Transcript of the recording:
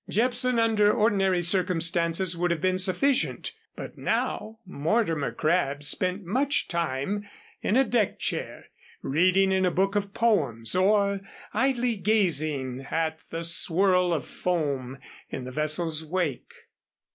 Jepson under ordinary circumstances would have been sufficient, but now Mortimer Crabb spent much time in a deck chair reading in a book of poems, or idly gazing at the swirl of foam in the vessel's wake.